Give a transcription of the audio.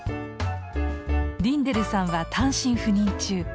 リンデルさんは単身赴任中。